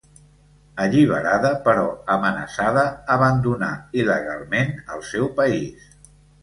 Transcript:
Alliberada, però amenaçada, abandonà il·legalment el seu país.